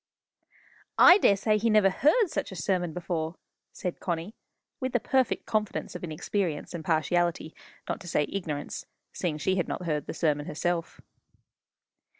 "I daresay he never heard such a sermon before!" said Connie, with the perfect confidence of inexperience and partiality not to say ignorance, seeing she had not heard the sermon herself.